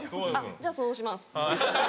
じゃあそうします。